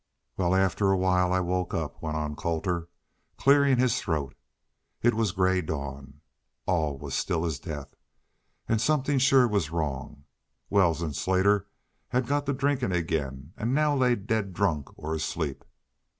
"Wall, after a while I woke up," went on Colter, clearing his throat. "It was gray dawn. All was as still as death.... An' somethin' shore was wrong. Wells an' Slater had got to drinkin' again an' now laid daid drunk or asleep.